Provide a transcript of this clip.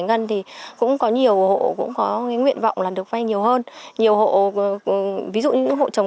ngân thì cũng có nhiều hộ cũng có nguyện vọng là được vay nhiều hơn nhiều hộ ví dụ như hộ trồng